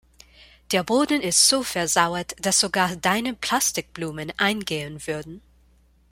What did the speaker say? Der Boden ist so versauert, dass sogar deine Plastikblumen eingehen würden.